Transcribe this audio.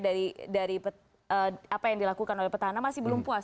dari apa yang dilakukan oleh petahana masih belum puas